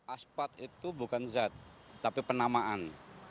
aspat itu bukan zat tapi penamaan